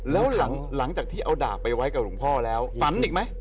แล้วหลังจากที่เอาดาบไปไว้กับหลวงพ่อแล้วฝันอีกไหม